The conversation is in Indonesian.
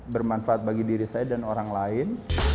bermanfaat bagi diri saya dan orang lain